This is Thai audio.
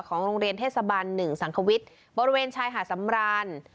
ของโรงเรียนเทศบรรณหนึ่งสังควิตบริเวณชายหาสำราน